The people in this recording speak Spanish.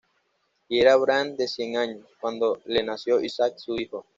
Y era Abraham de cien años, cuando le nació Isaac su hijo.